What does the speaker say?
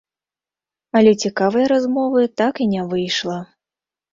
Але цікавай размовы так і не выйшла.